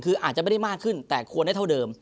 คืออาจจะไม่ได้มากขึ้นแต่ควรได้เท่าเดิม